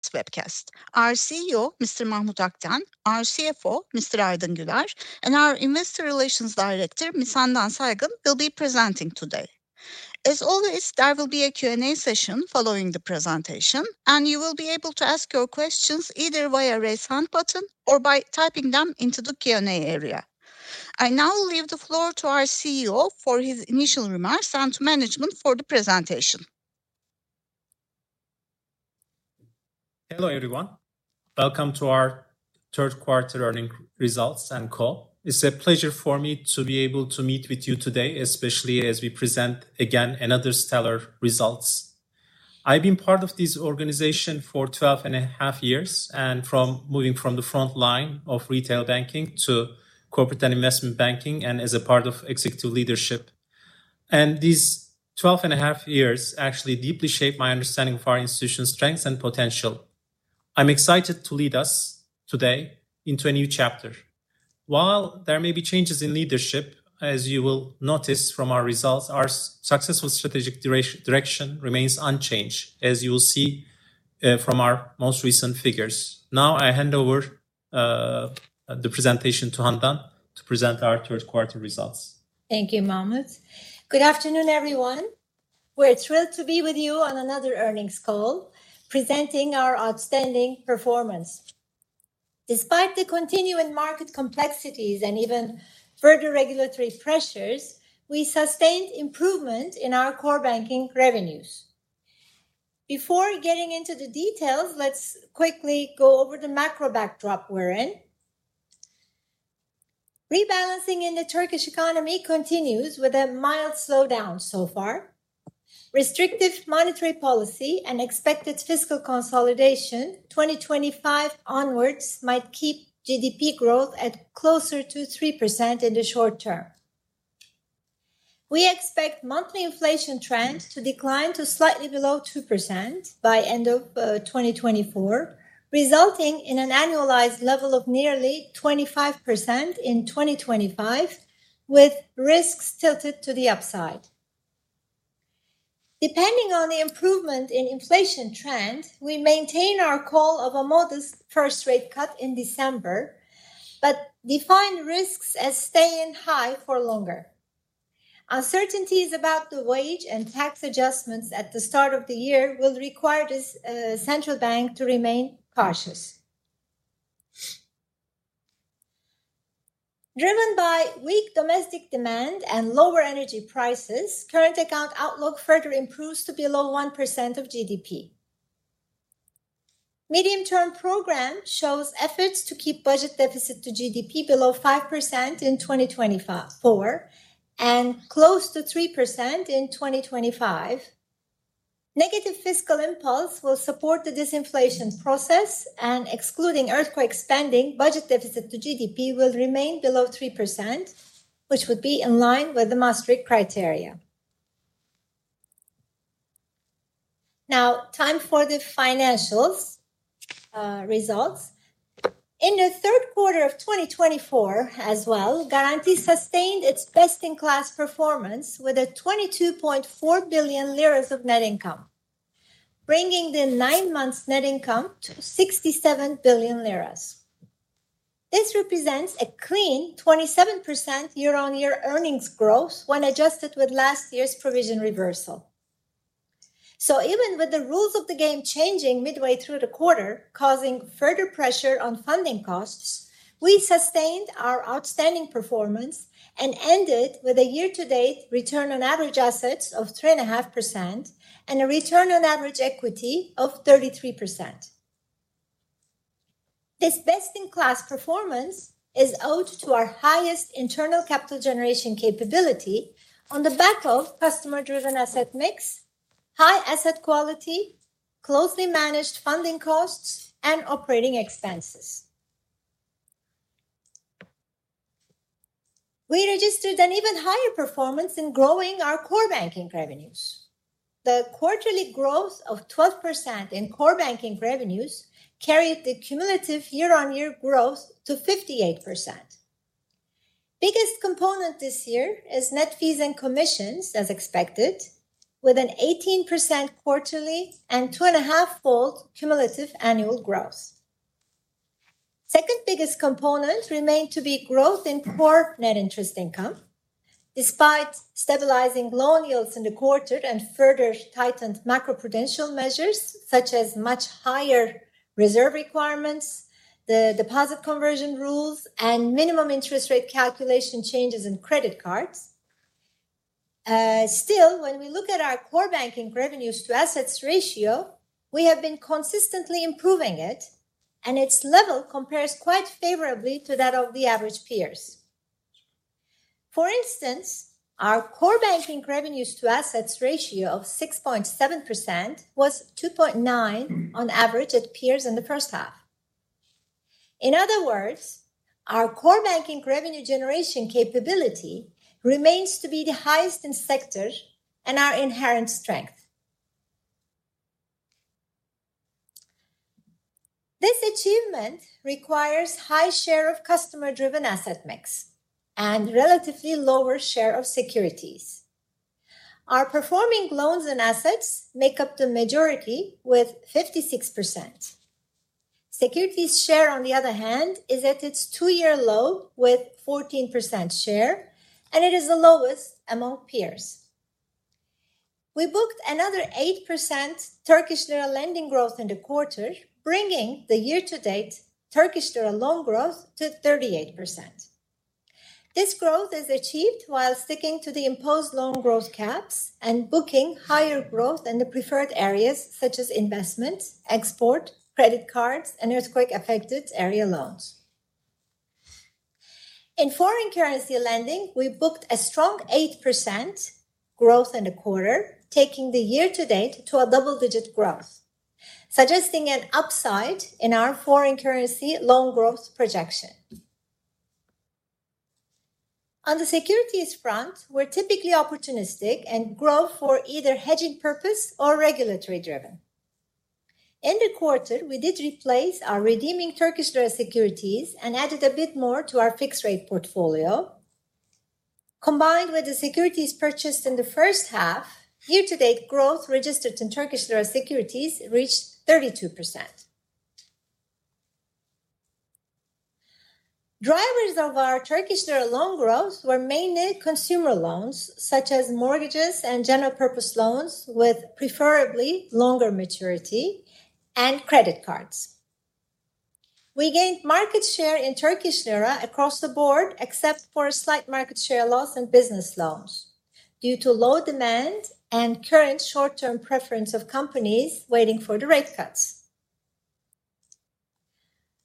This webcast. Our CEO, Mr. Mahmut Akten, our CFO, Mr. Aydın Güler, and our Investor Relations Director, Ms. Handan Saygın, will be presenting today. As always, there will be a Q&A session following the presentation, and you will be able to ask your questions either via raise hand button or by typing them into the Q&A area. I now leave the floor to our CEO for his initial remarks and to management for the presentation. Hello everyone. Welcome to our third quarter earnings results and call. It's a pleasure for me to be able to meet with you today, especially as we present again another stellar results. I've been part of this organization for 12 and a half years, and moving from the front line of retail banking to corporate and investment banking, and as a part of executive leadership and these 12 and a half years actually deeply shaped my understanding of our institution's strengths and potential. I'm excited to lead us today into a new chapter. While there may be changes in leadership, as you will notice from our results, our successful strategic direction remains unchanged, as you will see from our most recent figures. Now I hand over the presentation to Handan to present our third quarter results. Thank you, Mahmut. Good afternoon, everyone. We're thrilled to be with you on another earnings call, presenting our outstanding performance. Despite the continuing market complexities and even further regulatory pressures, we sustained improvement in our core banking revenues. Before getting into the details, let's quickly go over the macro backdrop we're in. Rebalancing in the Turkish economy continues with a mild slowdown so far. Restrictive monetary policy and expected fiscal consolidation 2025 onwards might keep GDP growth at closer to 3% in the short term. We expect monthly inflation trends to decline to slightly below 2% by end of 2024, resulting in an annualized level of nearly 25% in 2025, with risks tilted to the upside. Depending on the improvement in inflation trend, we maintain our call of a modest first rate cut in December, but define risks as staying high for longer. Uncertainties about the wage and tax adjustments at the start of the year will require this central bank to remain cautious. Driven by weak domestic demand and lower energy prices, current account outlook further improves to below 1% of GDP. Medium-Term Program shows efforts to keep budget deficit to GDP below 5% in 2024 and close to 3% in 2025. Negative fiscal impulse will support the disinflation process, and excluding earthquake spending, budget deficit to GDP will remain below 3%, which would be in line with the Maastricht criteria. Now, time for the financial results. In the third quarter of 2024 as well, Garanti sustained its best-in-class performance with 22.4 billion lira of net income, bringing the nine months net income to 67 billion lira. This represents a clean 27% year-on-year earnings growth when adjusted with last year's provision reversal. Even with the rules of the game changing midway through the quarter, causing further pressure on funding costs, we sustained our outstanding performance and ended with a year-to-date return on average assets of 3.5% and a return on average equity of 33%. This best-in-class performance is owed to our highest internal capital generation capability on the back of customer-driven asset mix, high asset quality, closely managed funding costs, and operating expenses. We registered an even higher performance in growing our core banking revenues. The quarterly growth of 12% in core banking revenues carried the cumulative year-on-year growth to 58%. Biggest component this year is net fees and commissions, as expected, with an 18% quarterly and two and a half fold cumulative annual growth. Second biggest component remained to be growth in core net interest income. Despite stabilizing loan yields in the quarter and further tightened macroprudential measures such as much higher reserve requirements, the deposit conversion rules, and minimum interest rate calculation changes in credit cards, still, when we look at our core banking revenues to assets ratio, we have been consistently improving it, and its level compares quite favorably to that of the average peers. For instance, our core banking revenues to assets ratio of 6.7% was 2.9% on average at peers in the first half. In other words, our core banking revenue generation capability remains to be the highest in sector and our inherent strength. This achievement requires a high share of customer-driven asset mix and a relatively lower share of securities. Our performing loans and assets make up the majority with 56%. Securities share, on the other hand, is at its two-year low with 14% share, and it is the lowest among peers. We booked another 8% Turkish lira lending growth in the quarter, bringing the year-to-date Turkish lira loan growth to 38%. This growth is achieved while sticking to the imposed loan growth caps and booking higher growth in the preferred areas such as investment, export, credit cards, and earthquake-affected area loans. In foreign currency lending, we booked a strong 8% growth in the quarter, taking the year-to-date to a double-digit growth, suggesting an upside in our foreign currency loan growth projection. On the securities front, we're typically opportunistic and grow for either hedging purpose or regulatory driven. In the quarter, we did replace our redeeming Turkish lira securities and added a bit more to our fixed-rate portfolio. Combined with the securities purchased in the first half, year-to-date growth registered in Turkish lira securities reached 32%. Drivers of our Turkish lira loan growth were mainly consumer loans such as mortgages and general purpose loans with preferably longer maturity and credit cards. We gained market share in Turkish lira across the board, except for a slight market share loss in business loans due to low demand and current short-term preference of companies waiting for the rate cuts.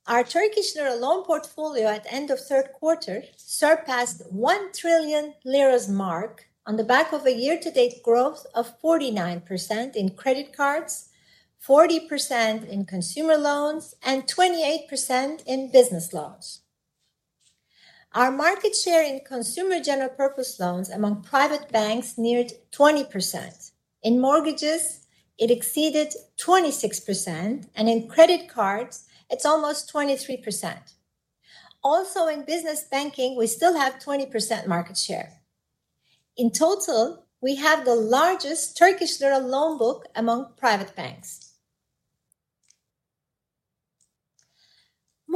Our Turkish lira loan portfolio at the end of third quarter surpassed one trillion liras mark on the back of a year-to-date growth of 49% in credit cards, 40% in consumer loans, and 28% in business loans. Our market share in consumer general purpose loans among private banks neared 20%. In mortgages, it exceeded 26%, and in credit cards, it's almost 23%. Also, in business banking, we still have 20% market share. In total, we have the largest Turkish lira loan book among private banks.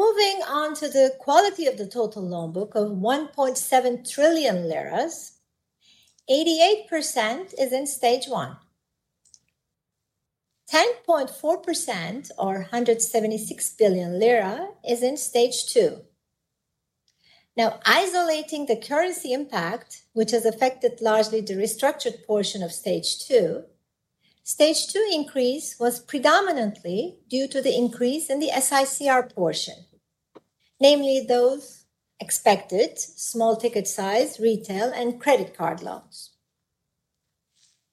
Moving on to the quality of the total loan book of 1.7 trillion lira, 88% is in Stage 1. 10.4% or 176 billion lira is in Stage 2. Now, isolating the currency impact, which has affected largely the restructured portion of Stage two, Stage 2 increase was predominantly due to the increase in the SICR portion, namely those expected small ticket size retail and credit card loans.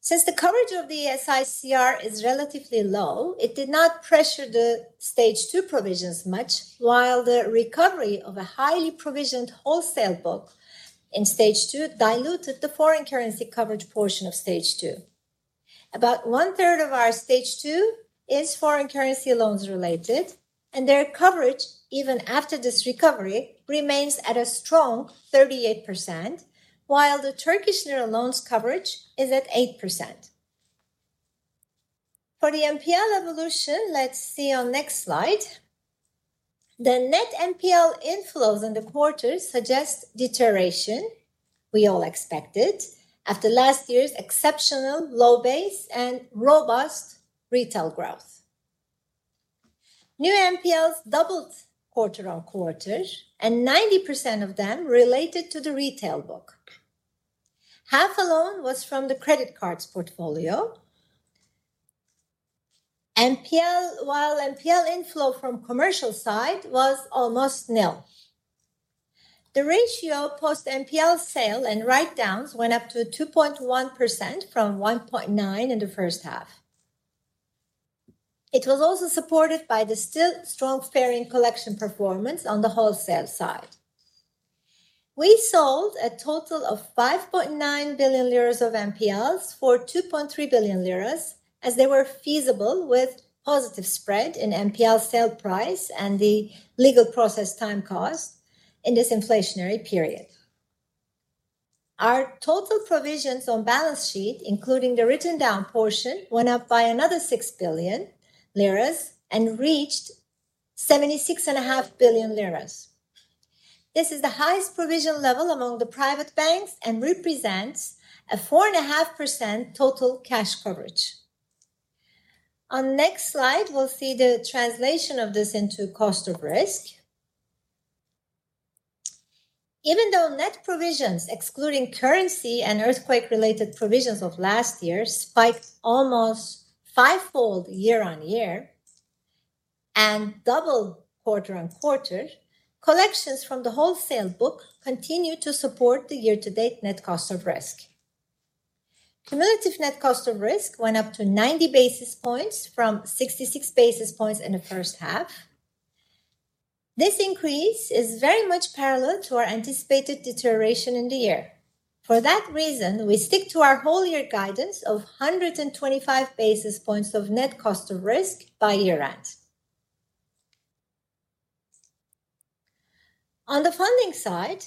Since the coverage of the SICR is relatively low, it did not pressure the Stage 2 provisions much, while the recovery of a highly provisioned wholesale book in Stage 2 diluted the foreign currency coverage portion of Stage two. About one third of our Stage 2 is foreign currency loans related, and their coverage, even after this recovery, remains at a strong 38%, while the Turkish lira loans coverage is at 8%. For the NPL evolution, let's see on the next slide. The net NPL inflows in the quarter suggest deterioration, we all expected, after last year's exceptional low base and robust retail growth. New NPLs doubled quarter on quarter, and 90% of them related to the retail book. Half alone was from the credit cards portfolio, while NPL inflow from commercial side was almost nil. The ratio post-NPL sale and write-downs went up to 2.1% from 1.9% in the first half. It was also supported by the still strong-performing collection performance on the wholesale side. We sold a total of TL 5.9 billion of NPLs for TL 2.3 billion, as they were feasible with positive spread in NPL sale price and the legal process time cost in this inflationary period. Our total provisions on balance sheet, including the written-down portion, went up by another TL 6 billion and reached TL 76.5 billion. This is the highest provision level among the private banks and represents a 4.5% total cash coverage. On the next slide, we'll see the translation of this into cost of risk. Even though net provisions, excluding currency and earthquake-related provisions of last year, spiked almost fivefold year on year and doubled quarter on quarter, collections from the wholesale book continue to support the year-to-date net cost of risk. Cumulative net cost of risk went up to 90 basis points from 66 basis points in the first half. This increase is very much parallel to our anticipated deterioration in the year. For that reason, we stick to our whole year guidance of 125 basis points of net cost of risk by year-end. On the funding side,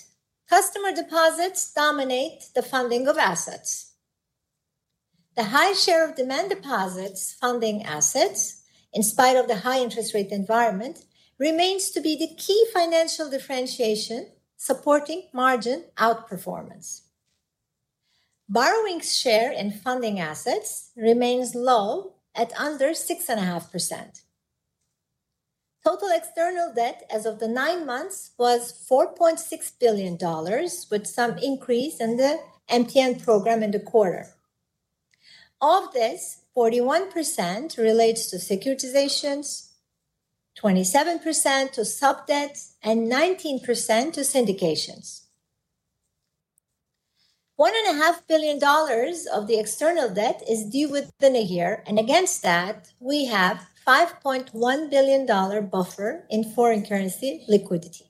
customer deposits dominate the funding of assets. The high share of demand deposits funding assets, in spite of the high interest rate environment, remains to be the key financial differentiation supporting margin outperformance. Borrowing share in funding assets remains low at under 6.5%. Total external debt as of the nine months was $4.6 billion, with some increase in the MGTN program in the quarter. Of this, 41% relates to securitizations, 27% to sub-debts, and 19% to syndications. $1.5 billion of the external debt is due within a year, and against that, we have a $5.1 billion dollar buffer in foreign currency liquidity.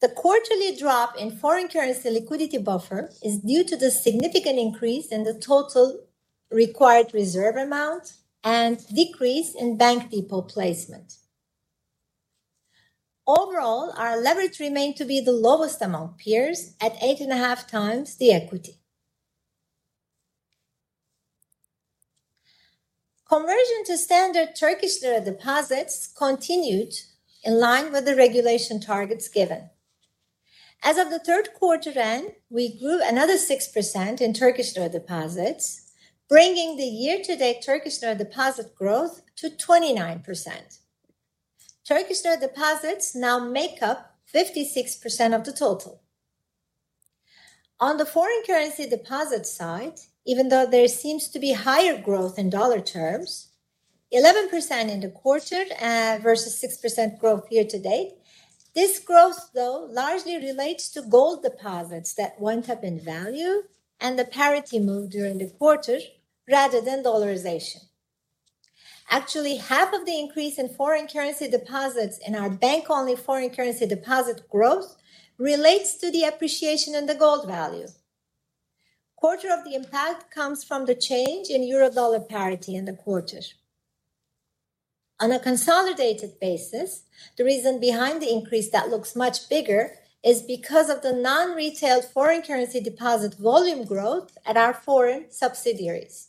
The quarterly drop in foreign currency liquidity buffer is due to the significant increase in the total required reserve amount and decrease in bank deposit placement. Overall, our leverage remained to be the lowest among peers at 8.5 times the equity. Conversion to standard Turkish lira deposits continued in line with the regulation targets given. As of the third quarter end, we grew another 6% in Turkish lira deposits, bringing the year-to-date Turkish lira deposit growth to 29%. Turkish lira deposits now make up 56% of the total. On the foreign currency deposit side, even though there seems to be higher growth in dollar terms, 11% in the quarter versus 6% growth year-to-date, this growth, though, largely relates to gold deposits that went up in value and the parity move during the quarter rather than dollarization. Actually, half of the increase in foreign currency deposits in our bank. Only foreign currency deposit growth relates to the appreciation in the gold value. Quarter of the impact comes from the change in euro-dollar parity in the quarter. On a consolidated basis, the reason behind the increase that looks much bigger is because of the non-retail foreign currency deposit volume growth at our foreign subsidiaries.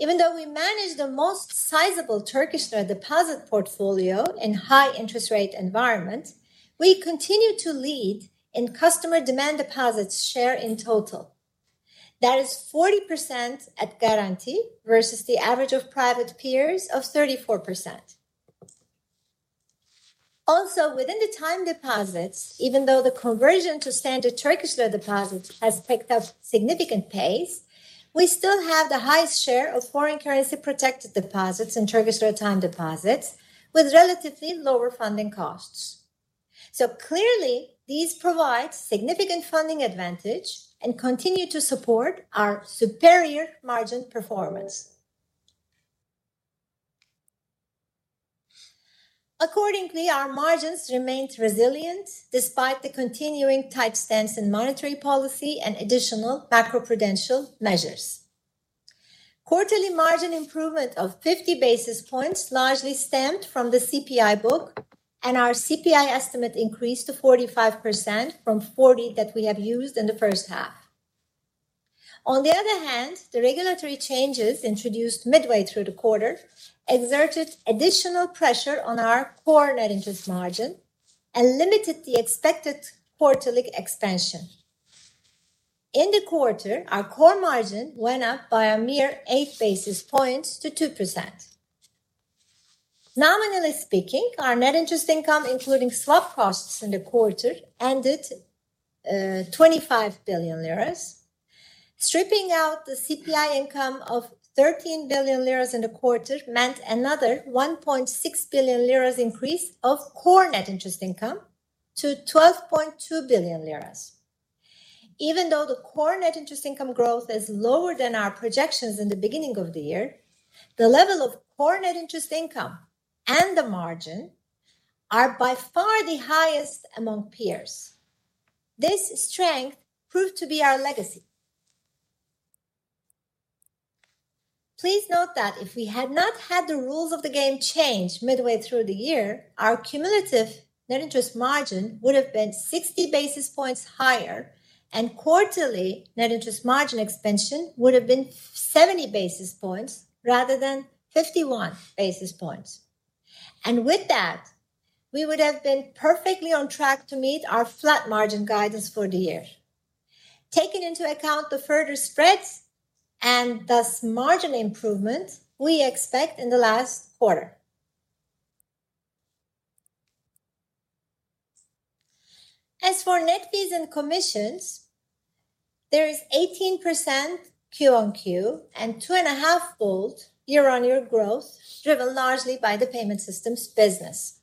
Even though we manage the most sizable Turkish lira deposit portfolio in a high interest rate environment, we continue to lead in customer demand deposits share in total. That is 40% at Garanti versus the average of private peers of 34%. Also, within the time deposits, even though the conversion to standard Turkish lira deposits has picked up significant pace, we still have the highest share of foreign currency protected deposits in Turkish lira time deposits with relatively lower funding costs. So clearly, these provide significant funding advantage and continue to support our superior margin performance. Accordingly, our margins remained resilient despite the continuing tight stance in monetary policy and additional macroprudential measures. Quarterly margin improvement of 50 basis points largely stemmed from the CPI book, and our CPI estimate increased to 45% from 40% that we have used in the first half. On the other hand, the regulatory changes introduced midway through the quarter exerted additional pressure on our core net interest margin and limited the expected quarterly expansion. In the quarter, our core margin went up by a mere 8 basis points to 2%. Nominally speaking, our net interest income, including swap costs in the quarter, ended 25 billion lira. Stripping out the CPI income of 13 billion lira in the quarter meant another 1.6 billion lira increase of core net interest income to 12.2 billion lira. Even though the core net interest income growth is lower than our projections in the beginning of the year, the level of core net interest income and the margin are by far the highest among peers. This strength proved to be our legacy. Please note that if we had not had the rules of the game change midway through the year, our cumulative net interest margin would have been 60 basis points higher, and quarterly net interest margin expansion would have been 70 basis points rather than 51 basis points. And with that, we would have been perfectly on track to meet our flat margin guidance for the year, taking into account the further spreads and thus margin improvement we expect in the last quarter. As for net fees and commissions, there is 18% Q on Q and 2.5 fold year-on-year growth driven largely by the payment systems business.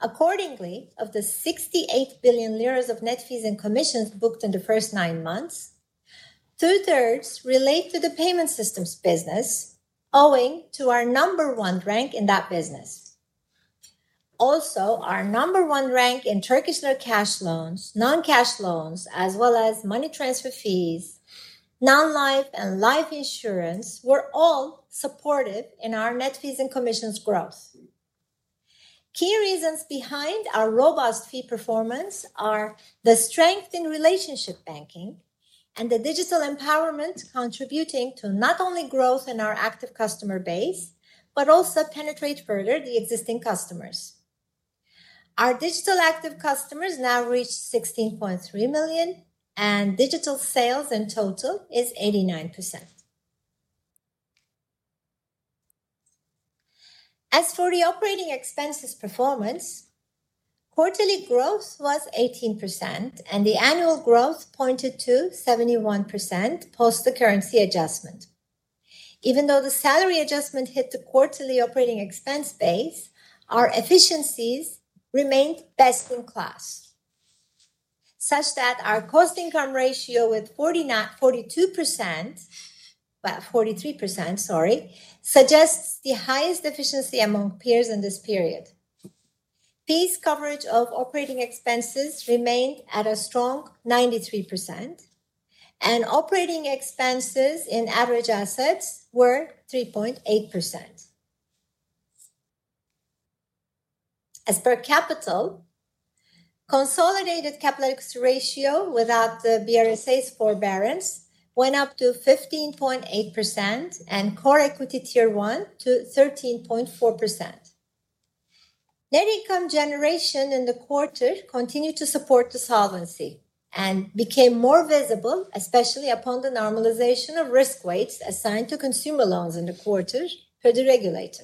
Accordingly, of the 68 billion liras of net fees and commissions booked in the first nine months, two-thirds relate to the payment systems business, owing to our number one rank in that business. Also, our number one rank in Turkish lira cash loans, non-cash loans, as well as money transfer fees, non-life, and life insurance were all supportive in our net fees and commissions growth. Key reasons behind our robust fee performance are the strength in relationship banking and the digital empowerment contributing to not only growth in our active customer base, but also penetrate further the existing customers. Our digital active customers now reached 16.3 million, and digital sales in total is 89%. As for the operating expenses performance, quarterly growth was 18%, and the annual growth pointed to 71% post the currency adjustment. Even though the salary adjustment hit the quarterly operating expense base, our efficiencies remained best in class, such that our cost-to-income ratio with 42%, well, 43%, sorry, suggests the highest efficiency among peers in this period. Fees coverage of operating expenses remained at a strong 93%, and operating expenses in average assets were 3.8%. As per capital, consolidated Capital Adequacy Ratio without the BRSA's forbearance went up to 15.8% and Core Equity Tier 1 to 13.4%. Net income generation in the quarter continued to support the solvency and became more visible, especially upon the normalization of risk weights assigned to consumer loans in the quarter for the regulator.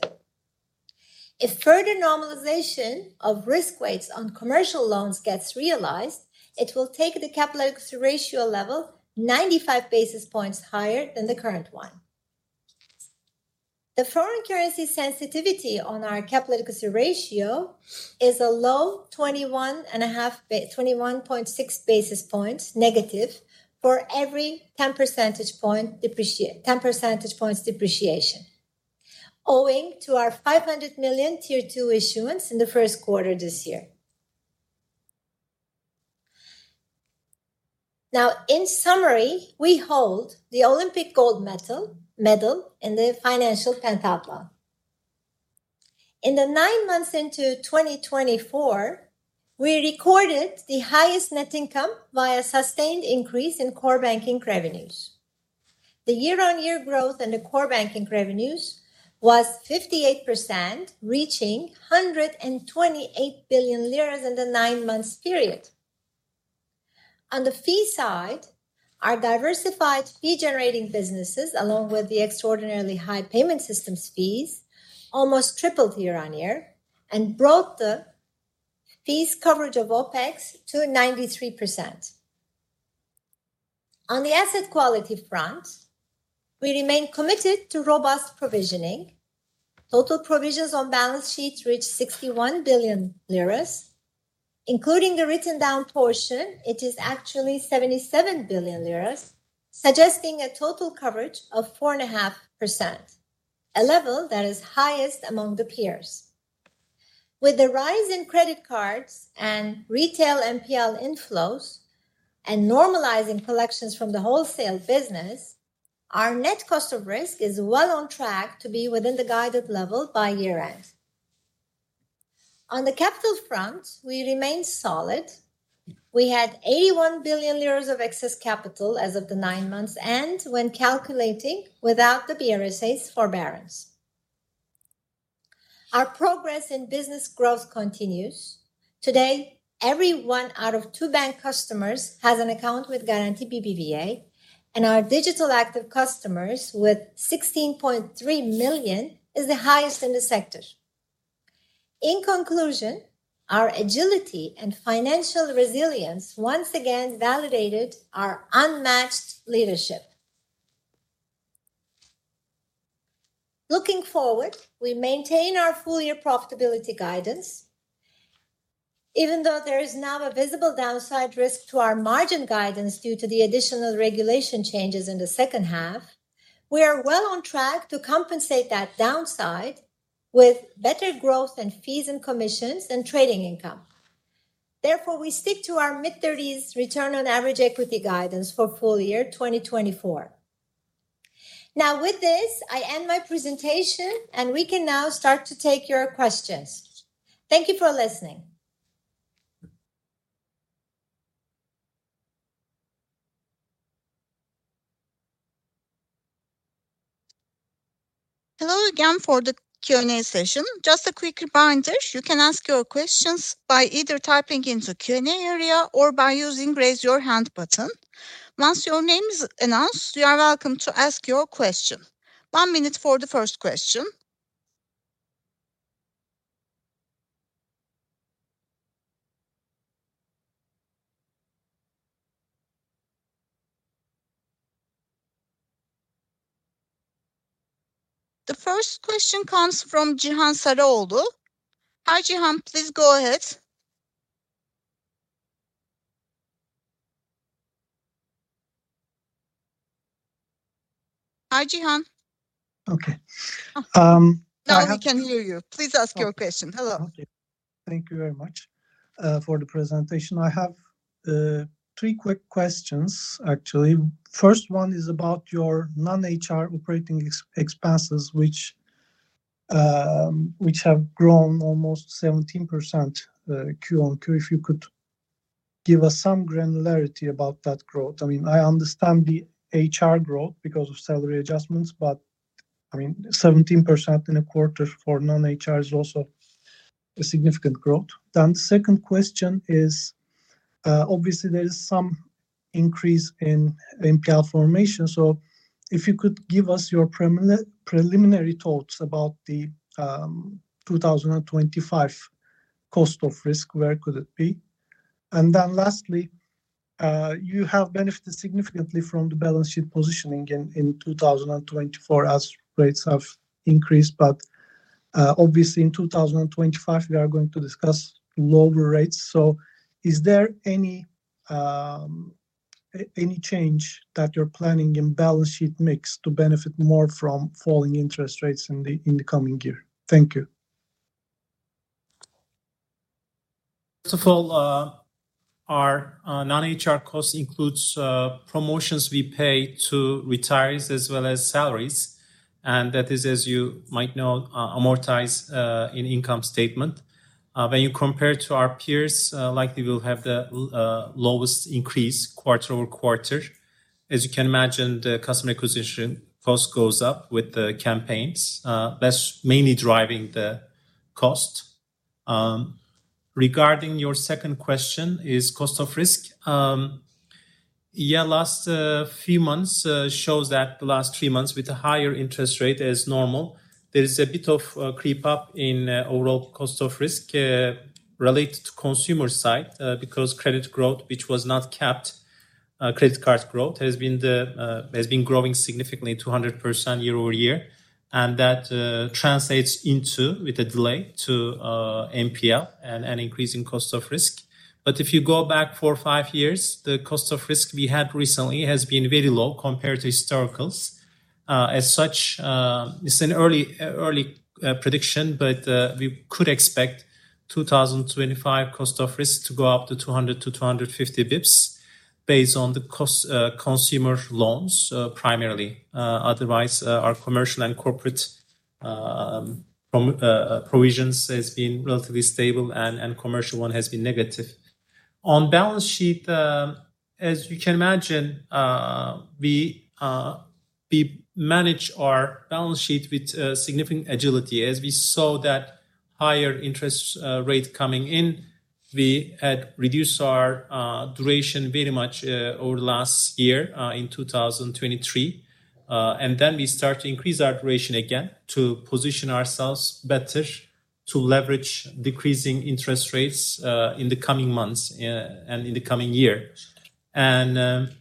If further normalization of risk weights on commercial loans gets realized, it will take the Capital Adequacy Ratio level 95 basis points higher than the current one. The foreign currency sensitivity on our capital adequacy ratio is a low 21.6 basis points negative for every 10 percentage points depreciation, owing to our 500 million Tier 2 issuance in the first quarter this year. Now, in summary, we hold the Olympic gold medal in the financial pentathlon. In the nine months into 2024, we recorded the highest net income via sustained increase in core banking revenues. The year-on-year growth in the core banking revenues was 58%, reaching 128 billion lira in the nine-month period. On the fee side, our diversified fee-generating businesses, along with the extraordinarily high payment systems fees, almost tripled year-on-year and brought the fees coverage of OpEx to 93%. On the asset quality front, we remain committed to robust provisioning. Total provisions on balance sheet reached 61 billion lira. Including the written-down portion, it is actually 77 billion lira, suggesting a total coverage of 4.5%, a level that is highest among the peers. With the rise in credit cards and retail NPL inflows and normalizing collections from the wholesale business, our net cost of risk is well on track to be within the guided level by year-end. On the capital front, we remain solid. We had TRY 81 billion of excess capital as of the nine months end when calculating without the BRSA's forbearance. Our progress in business growth continues. Today, every one out of two bank customers has an account with Garanti BBVA, and our digital active customers with 16.3 million is the highest in the sector. In conclusion, our agility and financial resilience once again validated our unmatched leadership. Looking forward, we maintain our full-year profitability guidance. Even though there is now a visible downside risk to our margin guidance due to the additional regulation changes in the second half, we are well on track to compensate that downside with better growth in fees and commissions and trading income. Therefore, we stick to our mid-30s return on average equity guidance for full year 2024. Now, with this, I end my presentation, and we can now start to take your questions. Thank you for listening. Hello again for the Q&A session. Just a quick reminder, you can ask your questions by either typing into the Q&A area or by using the raise your hand button. Once your name is announced, you are welcome to ask your question. One minute for the first question. The first question comes from Cihan Saraoğlu. Hi, Cihan, please go ahead. Hi, Cihan. Okay. Now we can hear you. Please ask your question. Hello. Thank you very much for the presentation. I have three quick questions, actually. First one is about your non-HR operating expenses, which have grown almost 17% Q on Q. If you could give us some granularity about that growth? I mean, I understand the HR growth because of salary adjustments, but I mean, 17% in a quarter for non-HR is also a significant growth. Then the second question is, obviously, there is some increase in NPL formation. So if you could give us your preliminary thoughts about the 2025 cost of risk, where could it be? And then lastly, you have benefited significantly from the balance sheet positioning in 2024 as rates have increased, but obviously in 2025, we are going to discuss lower rates. So is there any change that you're planning in balance sheet mix to benefit more from falling interest rates in the coming year? Thank you. First of all, our non-HR cost includes promotions we pay to retirees as well as salaries. And that is, as you might know, amortized in income statement. When you compare to our peers, likely we'll have the lowest increase quarter over quarter. As you can imagine, the customer acquisition cost goes up with the campaigns; that's mainly driving the cost. Regarding your second question, is cost of risk? Yeah, last few months show that the last three months with a higher interest rate as normal. There is a bit of a creep up in overall cost of risk related to consumer side because credit growth, which was not capped, credit card growth has been growing significantly to 100% year-over-year. And that translates into with a delay to NPL and an increasing cost of risk. But if you go back four or five years, the cost of risk we had recently has been very low compared to historicals. As such, it's an early prediction, but we could expect 2025 cost of risk to go up to 200-250 basis points based on the cost of consumer loans primarily. Otherwise, our commercial and corporate provisions have been relatively stable and commercial one has been negative. On balance sheet, as you can imagine, we manage our balance sheet with significant agility. As we saw that higher interest rate coming in, we had reduced our duration very much over the last year in 2023. And then we start to increase our duration again to position ourselves better to leverage decreasing interest rates in the coming months and in the coming year. And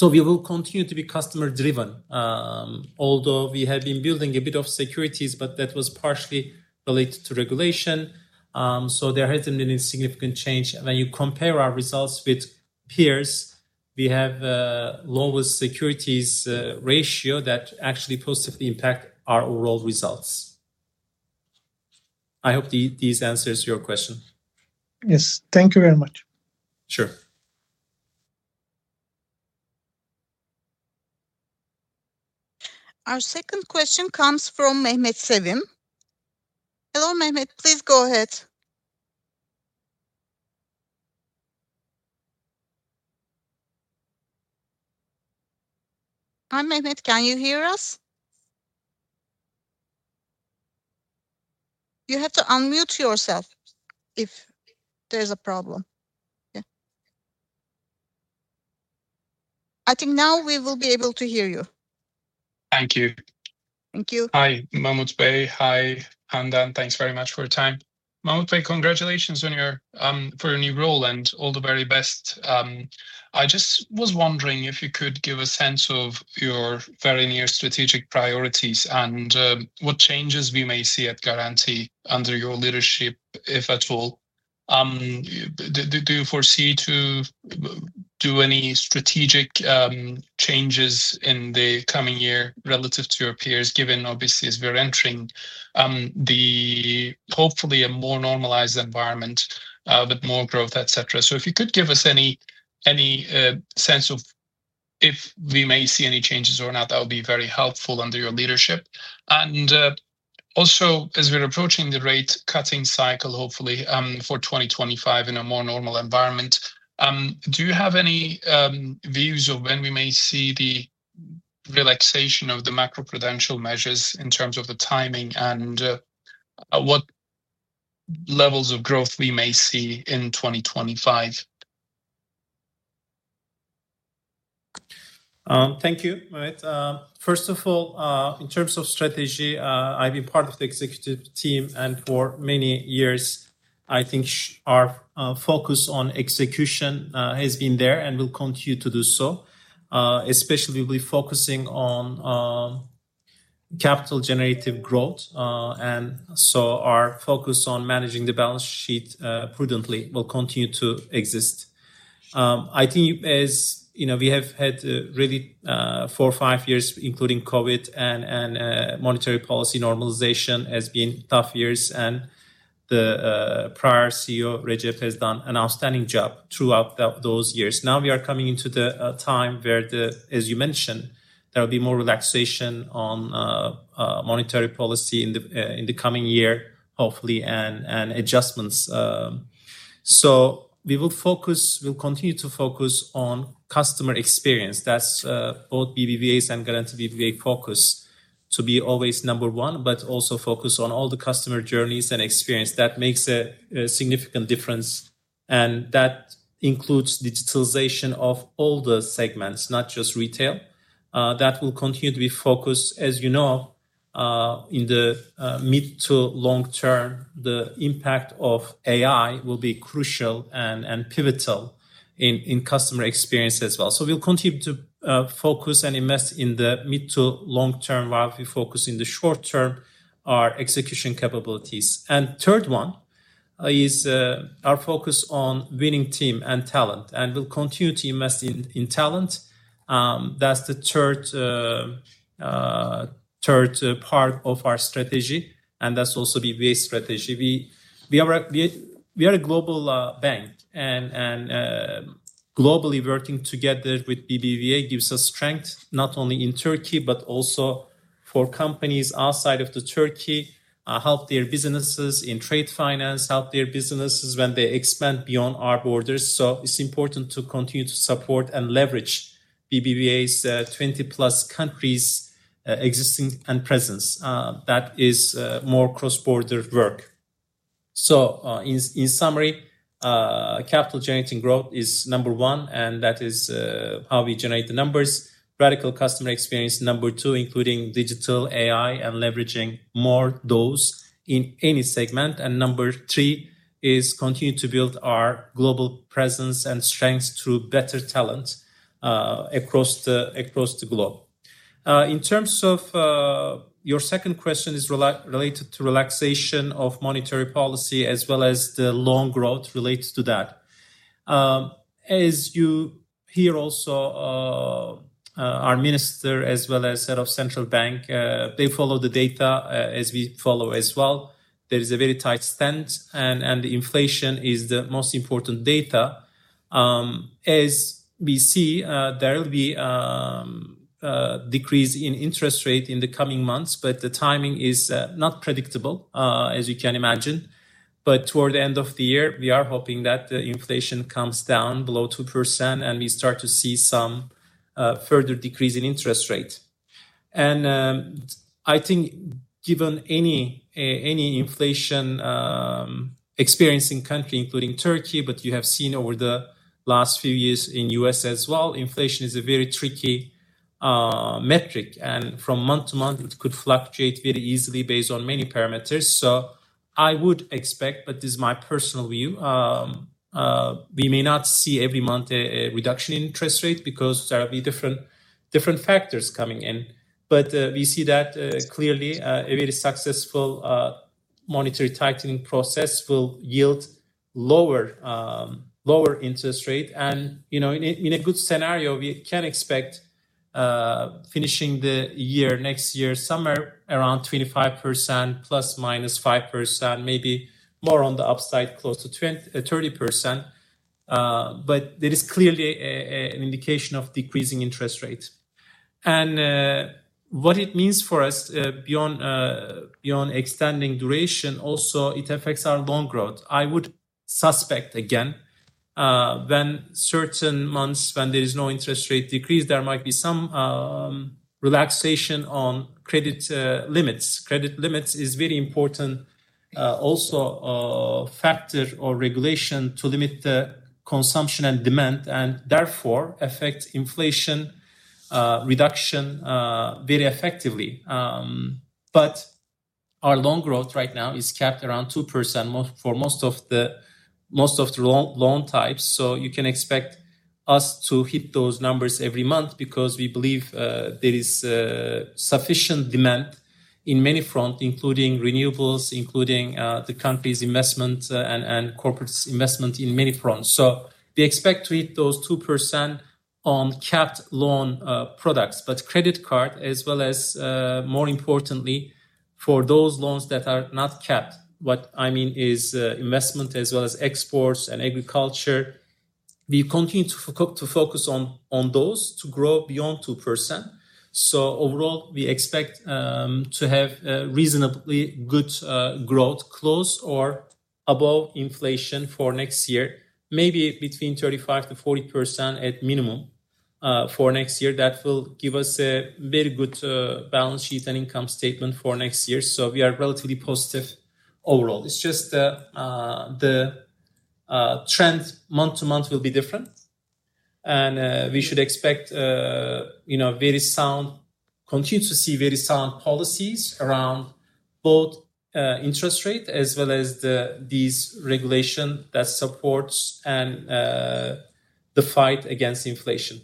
so we will continue to be customer-driven, although we have been building a bit of securities, but that was partially related to regulation. So there hasn't been any significant change. When you compare our results with peers, we have lowest securities ratio that actually positively impact our overall results. I hope these answer your question. Yes, thank you very much. Sure. Our second question comes from Mehmet Sevim. Hello, Mehmet, please go ahead. Hi, Mehmet, can you hear us? You have to unmute yourself if there's a problem. I think now we will be able to hear you. Thank you. Thank you. Hi, Mahmut Bey. Hi, Handan. Thanks very much for your time. Mahmut Bey, congratulations on your new role and all the very best. I just was wondering if you could give a sense of your very near strategic priorities and what changes we may see at Garanti under your leadership, if at all. Do you foresee to do any strategic changes in the coming year relative to your peers, given obviously as we're entering hopefully a more normalized environment with more growth, etc.? So if you could give us any sense of if we may see any changes or not, that would be very helpful under your leadership. And also, as we're approaching the rate cutting cycle, hopefully for 2025 in a more normal environment, do you have any views of when we may see the relaxation of the macroprudential measures in terms of the timing and what levels of growth we may see in 2025? Thank you, Mehmet. First of all, in terms of strategy, I've been part of the executive team and for many years, I think our focus on execution has been there and will continue to do so, especially with focusing on capital-generative growth. And so our focus on managing the balance sheet prudently will continue to exist. I think as we have had really four or five years, including COVID and monetary policy normalization, has been tough years. And the prior CEO, Recep, has done an outstanding job throughout those years. Now we are coming into the time where, as you mentioned, there will be more relaxation on monetary policy in the coming year, hopefully, and adjustments. So we will focus, we'll continue to focus on customer experience. That's both BBVA's and Garanti BBVA's focus to be always number one, but also focus on all the customer journeys and experience. That makes a significant difference and that includes digitalization of all the segments, not just retail. That will continue to be focused. As you know, in the mid to long term, the impact of AI will be crucial and pivotal in customer experience as well, so we'll continue to focus and invest in the mid to long term while we focus in the short term our execution capabilities, and third one is our focus on winning team and talent, and we'll continue to invest in talent. That's the third part of our strategy, and that's also BBVA's strategy. We are a global bank, and globally working together with BBVA gives us strength not only in Turkey, but also for companies outside of Turkey, healthcare businesses in trade finance, healthcare businesses when they expand beyond our borders. So it's important to continue to support and leverage BBVA's 20+ countries' existing presence. That is more cross-border work. So in summary, capital-generating growth is number one, and that is how we generate the numbers. Radical customer experience, number two, including digital AI and leveraging more of those in any segment. And number three is continue to build our global presence and strength through better talent across the globe. In terms of your second question is related to relaxation of monetary policy as well as the loan growth related to that. As you hear also, our minister, as well as head of central bank, they follow the data as we follow as well. There is a very tight stance, and inflation is the most important data. As we see, there will be a decrease in interest rate in the coming months, but the timing is not predictable, as you can imagine, but toward the end of the year, we are hoping that the inflation comes down below 2% and we start to see some further decrease in interest rate, and I think given any inflation experience in countries, including Turkey, but you have seen over the last few years in the U.S. as well, inflation is a very tricky metric, and from month to month, it could fluctuate very easily based on many parameters, so I would expect, but this is my personal view, we may not see every month a reduction in interest rate because there will be different factors coming in, but we see that clearly a very successful monetary tightening process will yield lower interest rate. In a good scenario, we can expect finishing the year next year somewhere around 25%, +-5%, maybe more on the upside, close to 30%. There is clearly an indication of decreasing interest rate. What it means for us beyond extending duration, also it affects our loan growth. I would suspect again when certain months when there is no interest rate decrease, there might be some relaxation on credit limits. Credit limits is a very important also factor or regulation to limit the consumption and demand and therefore affect inflation reduction very effectively. Our loan growth right now is capped around 2% for most of the loan types. You can expect us to hit those numbers every month because we believe there is sufficient demand in many fronts, including renewables, including the country's investment and corporate investment in many fronts. So we expect to hit those 2% on capped loan products, but credit card as well as more importantly for those loans that are not capped. What I mean is investment as well as exports and agriculture. We continue to focus on those to grow beyond 2%. So overall, we expect to have reasonably good growth close or above inflation for next year, maybe between 35%-40% at minimum for next year. That will give us a very good balance sheet and income statement for next year. So we are relatively positive overall. It's just the trend month to month will be different. And we should expect very sound, continue to see very sound policies around both interest rate as well as these regulations that support and the fight against inflation.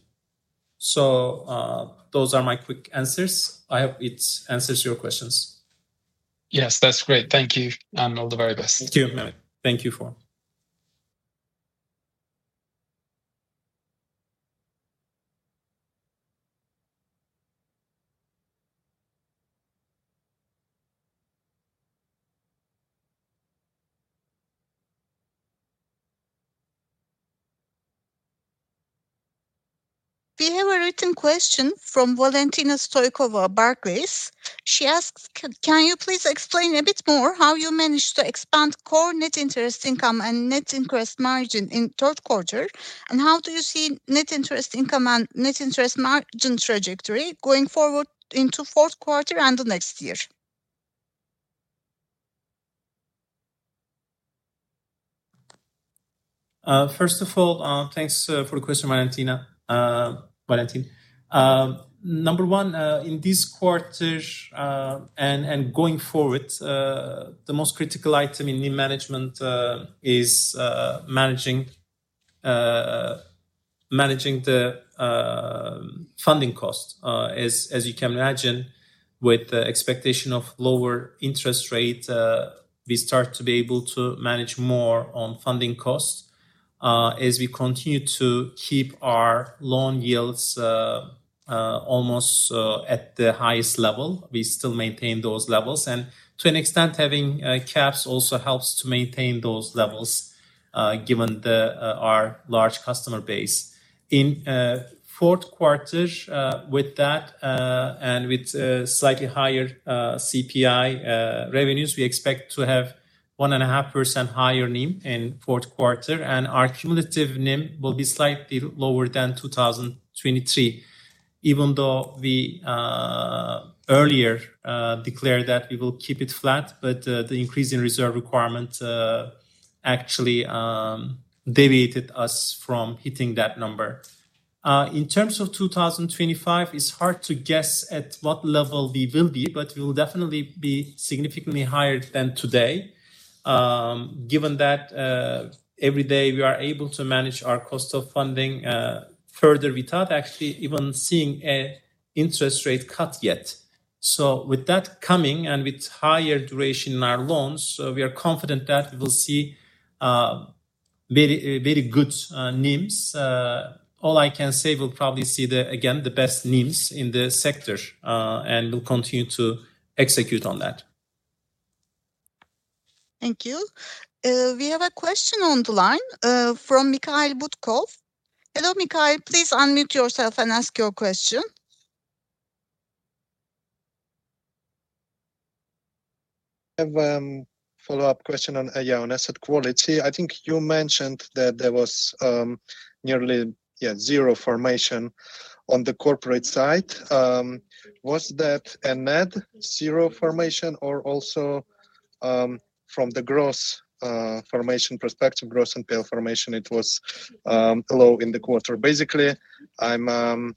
So those are my quick answers. I hope it answers your questions. Yes, that's great. Thank you. All the very best. Thank you, Mehmet. Thank you for that. We have a written question from Valentina Stoikova, Barclays. She asks, "Can you please explain a bit more how you managed to expand core net interest income and net interest margin in third quarter? And how do you see net interest income and net interest margin trajectory going forward into fourth quarter and the next year?" First of all, thanks for the question, Valentina. Number one, in this quarter and going forward, the most critical item in new management is managing the funding cost. As you can imagine, with the expectation of lower interest rate, we start to be able to manage more on funding costs as we continue to keep our loan yields almost at the highest level. We still maintain those levels. And to an extent, having caps also helps to maintain those levels given our large customer base. In fourth quarter, with that and with slightly higher CPI revenues, we expect to have 1.5% higher NIM in fourth quarter. And our cumulative NIM will be slightly lower than 2023, even though we earlier declared that we will keep it flat, but the increase in reserve requirement actually deviated us from hitting that number. In terms of 2025, it's hard to guess at what level we will be, but we will definitely be significantly higher than today, given that every day we are able to manage our cost of funding further. We thought actually even seeing an interest rate cut yet. So with that coming and with higher duration in our loans, we are confident that we will see very good NIMs. All I can say, we'll probably see again the best NIMs in the sector and we'll continue to execute on that. Thank you. We have a question on the line from Mikhail Butkov. Hello, Mikhail, please unmute yourself and ask your question. I have a follow-up question on asset quality. I think you mentioned that there was nearly zero formation on the corporate side. Was that a net zero formation or also from the gross formation perspective, gross NPL formation, it was low in the quarter? Basically, I'm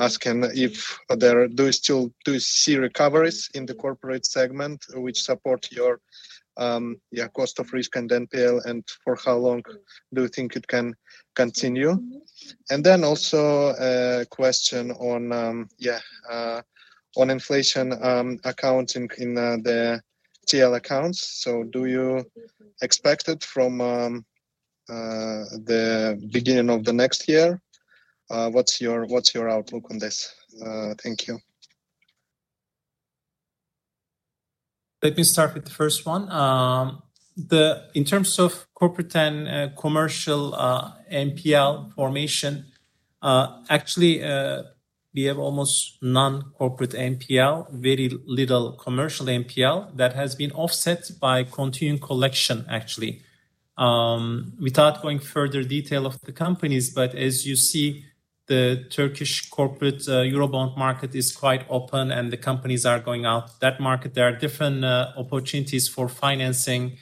asking if there do you still see recoveries in the corporate segment which support your cost of risk and NPL and for how long do you think it can continue? And then also a question on inflation accounting in the TL accounts. So do you expect it from the beginning of the next year? What's your outlook on this? Thank you. Let me start with the first one. In terms of corporate and commercial NPL formation, actually, we have almost no corporate NPL, very little commercial NPL that has been offset by continuing collection, actually. Without going into further detail of the companies, but as you see, the Turkish corporate Eurobond market is quite open and the companies are going to that market. There are different opportunities for financing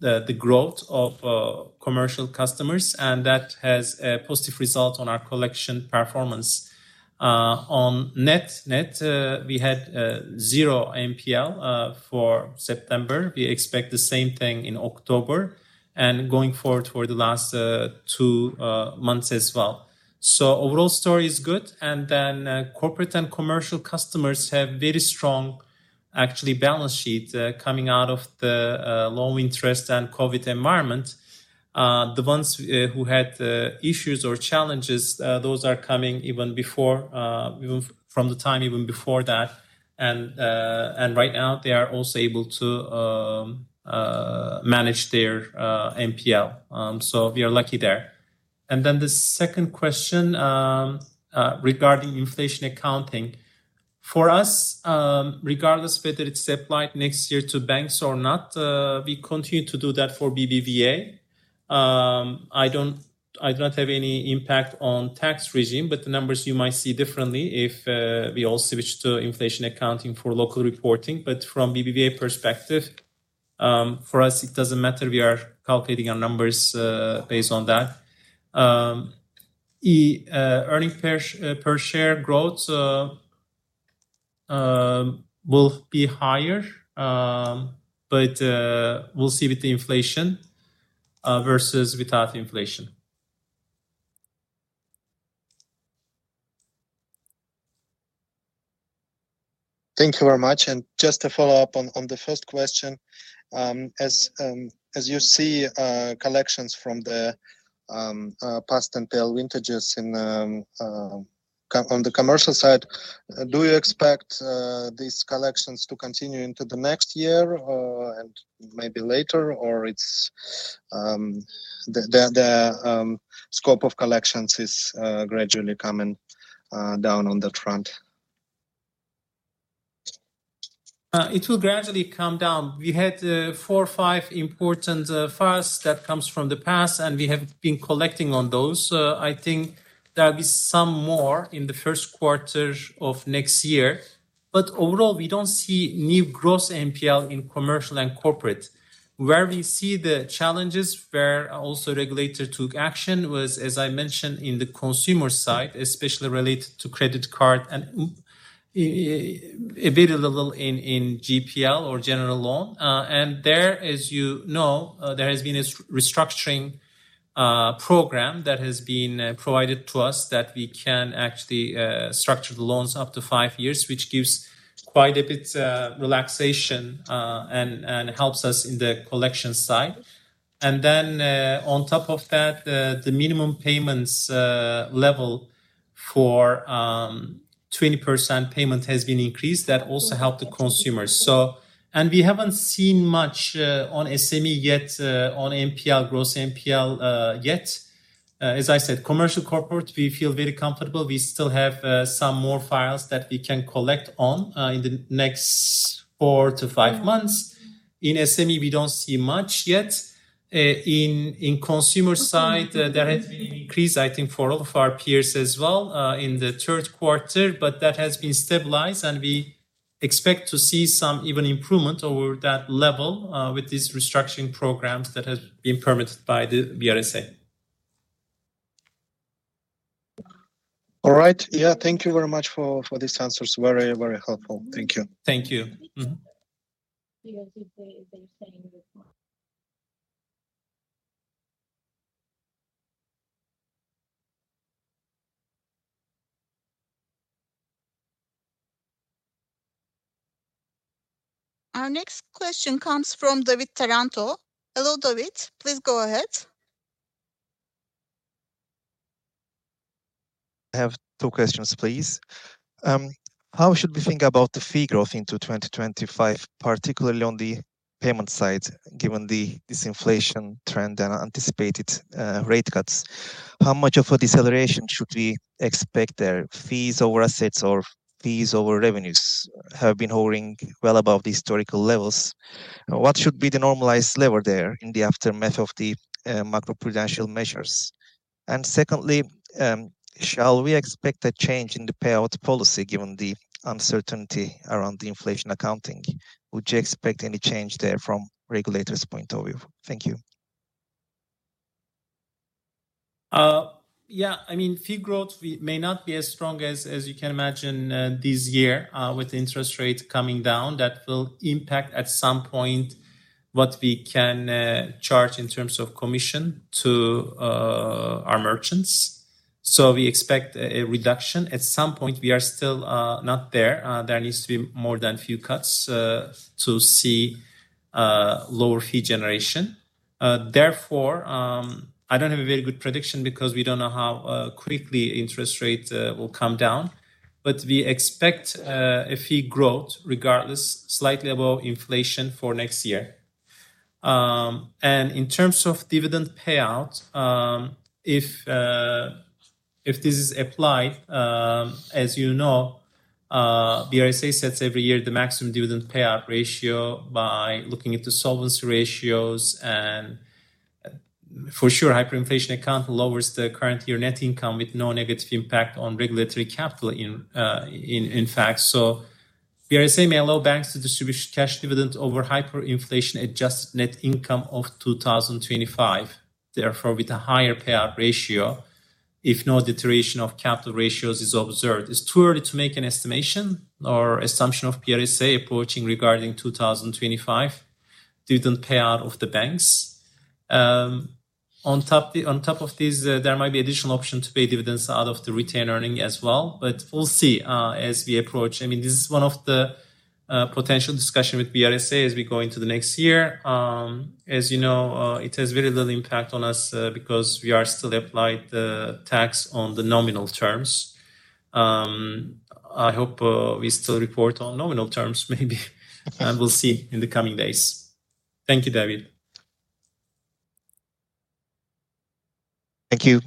the growth of commercial customers, and that has a positive result on our collection performance. On net, we had zero NPL for September. We expect the same thing in October and going forward for the last two months as well. So overall story is good. And then corporate and commercial customers have very strong actually balance sheets coming out of the low interest and COVID environment. The ones who had issues or challenges, those are coming even from the time before that. Right now, they are also able to manage their NPL. We are lucky there. Then the second question regarding inflation accounting. For us, regardless whether it's applied next year to banks or not, we continue to do that for BBVA. I don't have any impact on tax regime, but the numbers you might see differently if we all switch to inflation accounting for local reporting. But from BBVA perspective, for us, it doesn't matter. We are calculating our numbers based on that. Earnings per share growth will be higher, but we'll see with the inflation versus without inflation. Thank you very much. Just to follow up on the first question, as you see collections from the past NPL vintages on the commercial side, do you expect these collections to continue into the next year and maybe later, or the scope of collections is gradually coming down on that front? It will gradually come down. We had four or five important files that come from the past, and we have been collecting on those. I think there will be some more in the first quarter of next year. But overall, we don't see new gross NPL in commercial and corporate. Where we see the challenges, where also regulators took action, was, as I mentioned, in the consumer side, especially related to credit card and available in GPL or general loan. There, as you know, there has been a restructuring program that has been provided to us that we can actually structure the loans up to five years, which gives quite a bit of relaxation and helps us in the collection side. Then on top of that, the minimum payments level for 20% payment has been increased. That also helped the consumers. We haven't seen much on SME yet, on NPL, gross NPL yet. As I said, commercial corporate, we feel very comfortable. We still have some more files that we can collect on in the next four-to-five months. In SME, we don't see much yet. the consumer side, there has been an increase, I think, for all of our peers as well in the third quarter, but that has been stabilized, and we expect to see some even improvement over that level with these restructuring programs that have been permitted by the BRSA. All right. Yeah, thank you very much for these answers. Very, very helpful. Thank you. Thank you. Our next question comes from David Taranto. Hello, David. Please go ahead. I have two questions, please. How should we think about the fee growth into 2025, particularly on the payment side, given this inflation trend and anticipated rate cuts? How much of a deceleration should we expect there? Fees over assets or fees over revenues have been hovering well above the historical levels. What should be the normalized level there in the aftermath of the macroprudential measures? Secondly, shall we expect a change in the payout policy given the uncertainty around the inflation accounting? Would you expect any change there from a regulator's point of view? Thank you. Yeah, I mean, fee growth may not be as strong as you can imagine this year with the interest rate coming down. That will impact at some point what we can charge in terms of commission to our merchants, so we expect a reduction at some point. We are still not there. There needs to be more than a few cuts to see lower fee generation. Therefore, I don't have a very good prediction because we don't know how quickly interest rates will come down, but we expect a fee growth regardless, slightly above inflation for next year. In terms of dividend payout, if this is applied, as you know, BRSA sets every year the maximum dividend payout ratio by looking at the solvency ratios. For sure, hyperinflation account lowers the current year net income with no negative impact on regulatory capital, in fact. BRSA may allow banks to distribute cash dividend over hyperinflation adjusted net income of 2025, therefore with a higher payout ratio if no deterioration of capital ratios is observed. It's too early to make an estimation or assumption of BRSA approaching regarding 2025 dividend payout of the banks. On top of these, there might be additional option to pay dividends out of the retained earnings as well, but we'll see as we approach. I mean, this is one of the potential discussions with BRSA as we go into the next year. As you know, it has very little impact on us because we are still applying the tax on the nominal terms. I hope we still report on nominal terms maybe. We'll see in the coming days. Thank you, David. Thank you.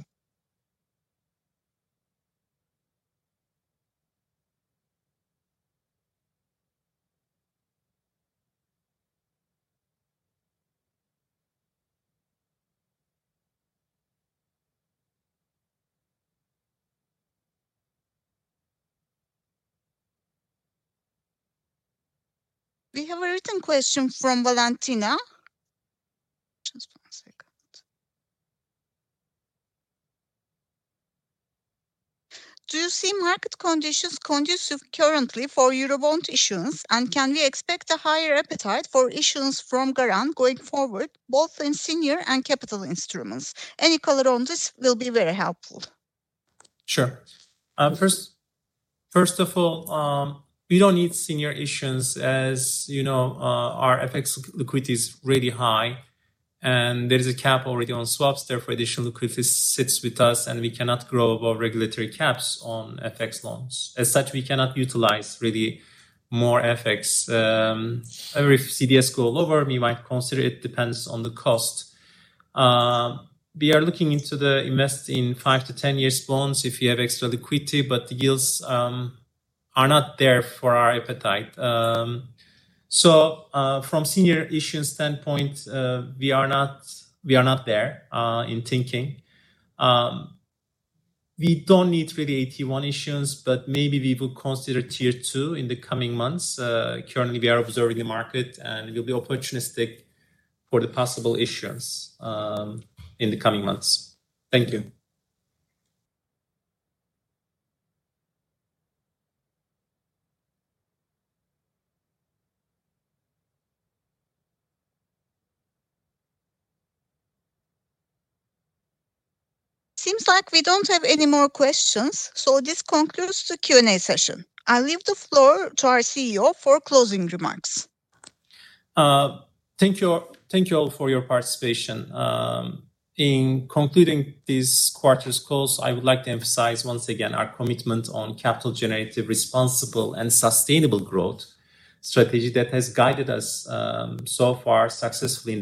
We have a written question from Valentina. Just one second. Do you see market conditions conducive currently for Eurobond issuance, and can we expect a higher appetite for issuance from Garanti going forward, both in senior and capital instruments? Any color on this will be very helpful. Sure. First of all, we don't need senior issuance as our FX liquidity is really high, and there is a cap already on swaps. Therefore, additional liquidity sits with us, and we cannot grow above regulatory caps on FX loans. As such, we cannot utilize really more FX. Whenever the CDS goes lower, we might consider it. It depends on the cost. We are looking into investing in five- to ten-year bonds if you have extra liquidity, but the yields are not there for our appetite. So from senior issuance standpoint, we are not there in thinking. We don't really need AT1 issuance, but maybe we will consider Tier 2 in the coming months. Currently, we are observing the market, and we'll be opportunistic for the possible issuance in the coming months. Thank you. Seems like we don't have any more questions, so this concludes the Q&A session. I'll leave the floor to our CEO for closing remarks. Thank you all for your participation. In concluding this quarter's calls, I would like to emphasize once again our commitment on capital-generative, responsible, and sustainable growth strategy that has guided us so far successfully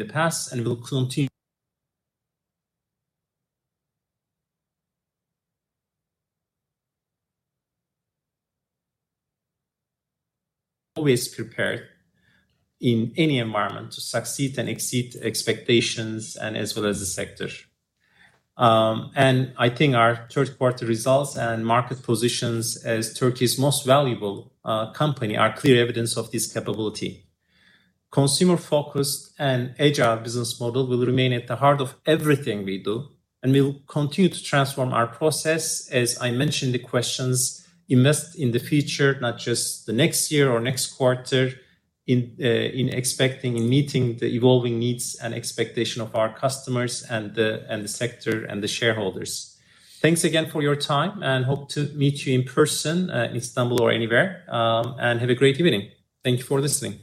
in the past and will continue always prepared in any environment to succeed and exceed expectations and as well as the sector, and I think our third-quarter results and market positions as Turkey's most valuable company are clear evidence of this capability. Consumer-focused and agile business model will remain at the heart of everything we do, and we'll continue to transform our process, as I mentioned the questions, invest in the future, not just the next year or next quarter, in expecting and meeting the evolving needs and expectations of our customers and the sector and the shareholders. Thanks again for your time, and hope to meet you in person in Istanbul or anywhere, and have a great evening. Thank you for listening.